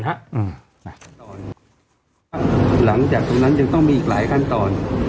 หลังจากนั้นยังต้องมีอีกหลายขั้นตอน